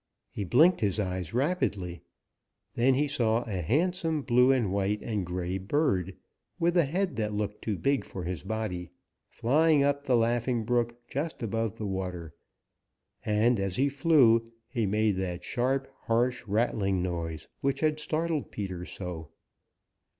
He blinked his eyes rapidly. Then he saw a handsome blue and white and gray bird, with a head that looked too big for his body, flying up the Laughing Brook just above the water, and as he flew he made that sharp, harsh, rattling noise which had startled Peter so.